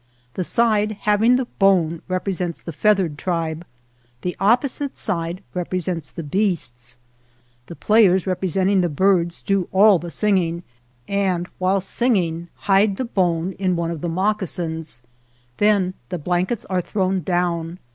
The side having the bone repre sents the feathered tribe, the opposite side represents the beasts. The players repre senting the birds do all the singing, and while singing hide the bone in one of the moccasins, then the blankets are thrown down.